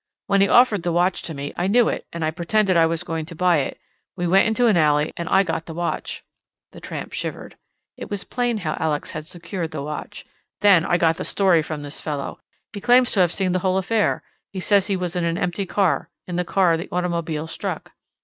"When he offered the watch to me, I knew it, and I pretended I was going to buy it. We went into an alley and I got the watch." The tramp shivered. It was plain how Alex had secured the watch. "Then—I got the story from this fellow. He claims to have seen the whole affair. He says he was in an empty car—in the car the automobile struck."